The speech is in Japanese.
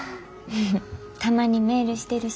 たまにメールしてるし。